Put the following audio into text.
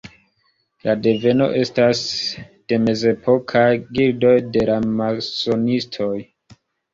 La deveno estas de mezepokaj gildoj de la masonistoj.